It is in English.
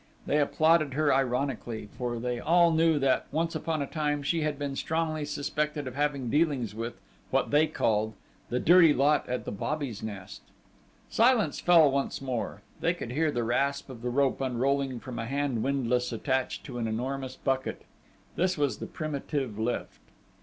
They applauded her ironically; for they all knew that, once upon a time, she had been strongly suspected of having dealings with, what they called, "The dirty lot at the Bobby's Nest." Silence fell once more. They could hear the rasp of the rope unrolling from a hand windlass attached to an enormous bucket. This was the primitive lift.